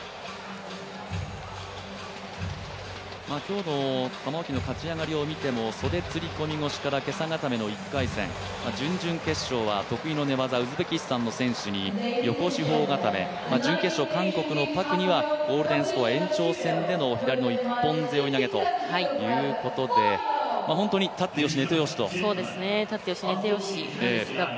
今日の玉置の勝ち上がりをみても袖釣り込みから袈裟固め、準々決勝は得意の寝技、ウズベキスタンの選手に横四方固め、準決勝、韓国のパク・ウンソンには延長戦での左の一本背負投ということで本当に立ってよし、寝てよしということで。